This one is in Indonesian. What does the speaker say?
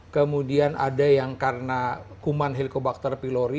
kemudian ada yang karena kuman helicobacter pylori